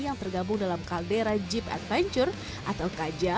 yang tergabung dalam kaldera jeep adventure